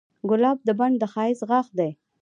ګلاب د بڼ د ښایست غاښ دی.